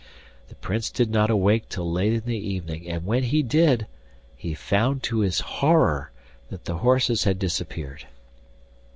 The Prince did not awake till late in the evening; and when he did, he found, to his horror, that the horses had disappeared.